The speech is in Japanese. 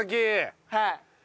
はい。